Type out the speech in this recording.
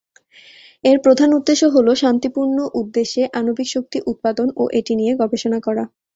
এর প্রধান উদ্দেশ্য হল, শান্তিপূর্ণ উদ্দেশ্যে আণবিক শক্তি উৎপাদন ও এটি নিয়ে গবেষণা করা।